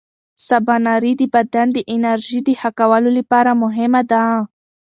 سباناري د بدن د انرژۍ د ښه کار لپاره مهمه ده.